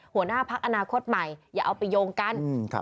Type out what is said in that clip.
หัวหน้าพักอนาคตใหม่อย่าเอาไปโยงกัน